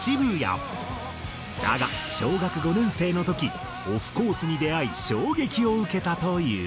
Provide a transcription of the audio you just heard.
だが小学５年生の時オフコースに出会い衝撃を受けたという。